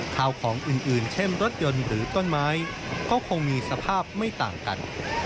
ข้าวของอื่นเช่นรถยนต์หรือต้นไม้ก็คงมีสภาพไม่ต่างกัน